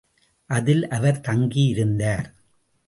அதில் அவர் தங்கி இருந்தார்.